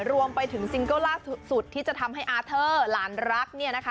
รวมไปถึงซิงโก้ล่าสุดที่จะทำให้อาเธอหลานรัก